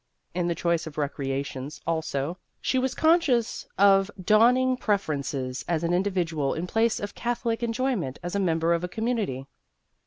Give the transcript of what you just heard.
In the choice of recreations, also, she was conscious of dawning prefer ences as an individual in place of catholic enjoyment as a member of a community.